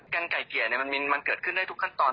ไก่เกลี่ยมันเกิดขึ้นได้ทุกขั้นตอน